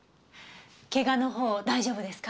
けがのほう大丈夫ですか？